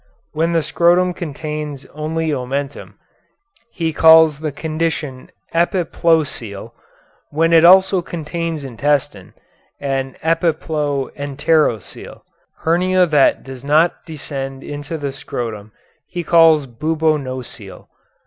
When the scrotum contains only omentum, he calls the condition epiplocele; when it also contains intestine, an epiplo enterocele. Hernia that does not descend into the scrotum he calls bubonocele.